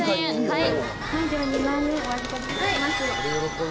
はい。